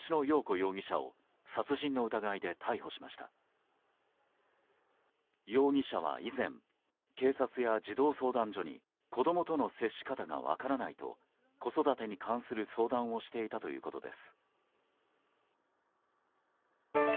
容疑者は以前警察や児童相談所に子供との接し方が分からないと子育てに関する相談をしていたということです。